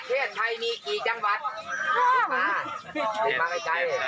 โฮวิดไปกี่นานแล้วโฮวิดรัฐบาล